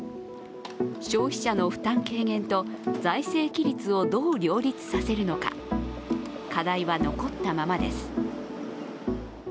消費者の負担軽減と財政規律をどう両立させるのか、課題は残ったままです。